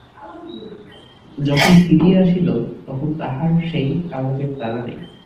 যখন ফিরিয়া আসিল, দেখিল, তাহার সেই কাগজের তাড়া নাই।